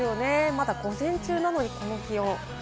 まだ午前中なのにこの気温。